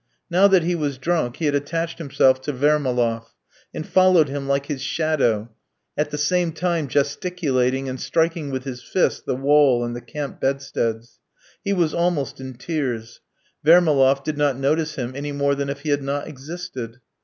Now that he was drunk he had attached himself to Vermaloff, and followed him like his shadow, at the same time gesticulating and striking with his fist the wall and the camp bedsteads. He was almost in tears. Vermaloff did not notice him any more than if he had not existed.